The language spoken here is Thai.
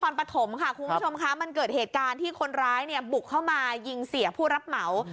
ปฐมค่ะคุณผู้ชมคะมันเกิดเหตุการณ์ที่คนร้ายเนี่ยบุกเข้ามายิงเสียผู้รับเหมา